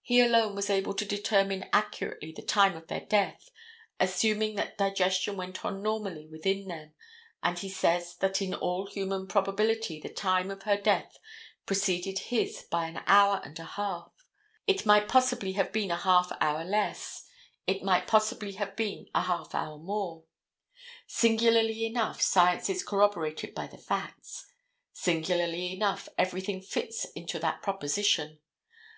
He alone was able to determine accurately the time of their death, assuming that digestion went on normally within them, and he says that in all human probability the time of her death preceded his by an hour and a half; it might possibly have been a half hour less; it might possibly have been a half hour more: Singularly enough, science is corroborated by the facts. Singularly enough, everything fits into that proposition.